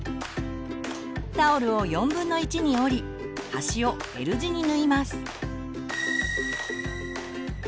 タオルを４分の１に折り端をＬ字に縫います。